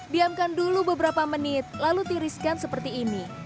diamkan dulu beberapa menit lalu tiriskan seperti ini